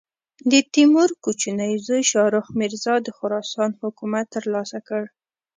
د تیمور کوچني زوی شاهرخ مرزا د خراسان حکومت تر لاسه کړ.